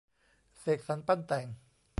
เสกสรรปั้นแต่ง